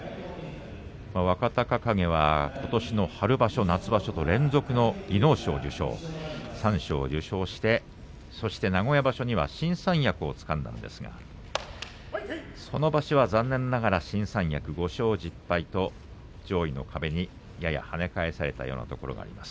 若隆景はことしの春場所夏場所と連続の技能賞を受賞三賞を受賞して名古屋場所には新三役をつかんでその場所は残念ながら５勝１０敗と上位の壁に跳ね返されたようなところがあります。